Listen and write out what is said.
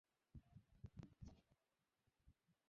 তিনি অধিক সফলকাম হন।